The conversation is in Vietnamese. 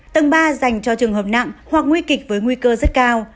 tầng ba dành cho trường hợp nặng hoặc nguy kịch với nguy cơ rất cao